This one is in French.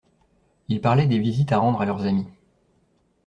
Ils parlaient des visites à rendre à leurs amis.